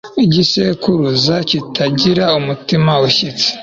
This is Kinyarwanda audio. igisekuruza kitagira umutima ushyitse